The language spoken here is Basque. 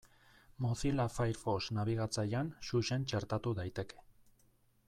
Mozilla Firefox nabigatzailean Xuxen txertatu daiteke.